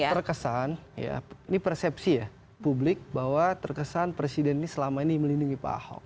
karena terkesan ini persepsi ya publik bahwa terkesan presiden ini selama ini melindungi pak ahok